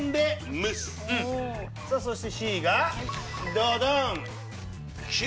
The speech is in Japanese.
さあそしてＣがドドン！